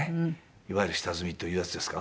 いわゆる下積みというやつですか？